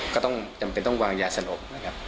ก็จำเป็นต้องวางยาสลบ